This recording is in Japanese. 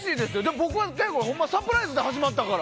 僕は、でもほんまにサプライズで始まったから。